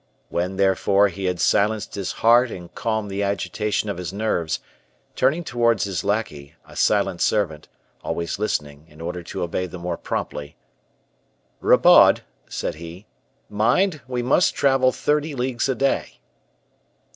When, therefore, he had silenced his heart and calmed the agitation of his nerves, turning towards his lackey, a silent servant, always listening, in order to obey the more promptly: "Rabaud," said he, "mind, we must travel thirty leagues a day."